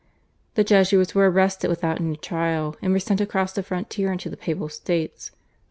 The Jesuits were arrested without any trial, and were sent across the frontier into the Papal States (Nov.